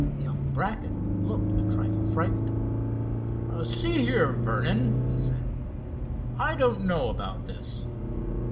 Young Brackett looked a trifle frightened. "See here, Vernon," he said, "I don't know about this."